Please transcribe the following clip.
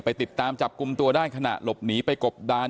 ติดตามจับกลุ่มตัวได้ขณะหลบหนีไปกบดาน